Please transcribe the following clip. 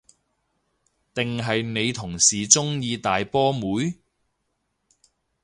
定係你同事鍾意大波妹？